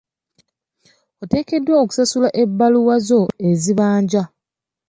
Oteekeddwa okusasula ebbaluwa zo ezibanja.